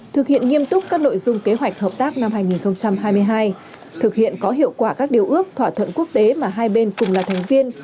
thực hiện nghiêm túc các nội dung kế hoạch hợp tác năm hai nghìn hai mươi hai thực hiện có hiệu quả các điều ước thỏa thuận quốc tế mà hai bên cùng là thành viên